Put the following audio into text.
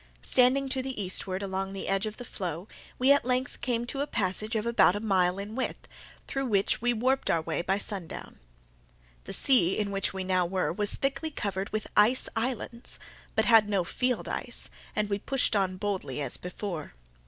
Standing to the eastward along the edge of the floe, we at length came to a passage of about a mile in width, through which we warped our way by sundown. The sea in which we now were was thickly covered with ice islands, but had no field ice, and we pushed on boldly as before.